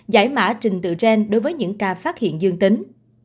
giải mã trình tự gen đối với những ca phát hiện dương tính